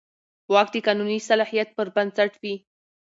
واک د قانوني صلاحیت پر بنسټ وي.